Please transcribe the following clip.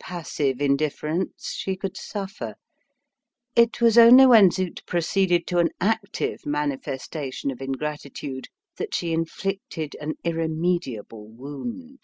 Passive indifference she could suffer. It was only when Zut proceeded to an active manifestation of ingratitude that she inflicted an irremediable wound.